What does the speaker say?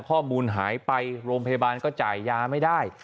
ข้อมูลหายไปโรงพยาบาลก็จ่ายยาไม่ได้